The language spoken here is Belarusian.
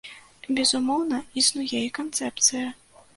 Безумоўна, існуе і канцэпцыя.